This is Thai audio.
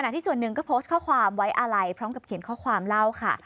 ที่ส่วนหนึ่งก็โพสต์ข้อความไว้อาลัยพร้อมกับเขียนข้อความเล่าค่ะ